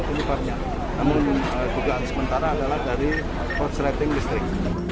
penyebabnya namun dugaan sementara adalah dari korsleting listrik